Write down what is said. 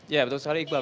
ya betul sekali iqbal